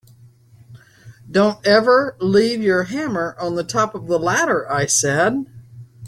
Don’t ever leave your hammer on the top of the ladder, I said.